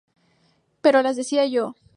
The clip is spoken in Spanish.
Pero las decía yo.